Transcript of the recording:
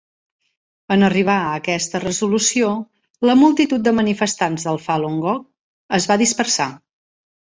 En arribar a aquesta resolució, la multitud de manifestants del Falun Gong es va dispersar.